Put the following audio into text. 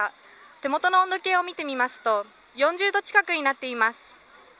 手元の温度計を見てみますと４０度近くになっています。